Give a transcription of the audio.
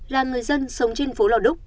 là người dân sống trên phố lò đúc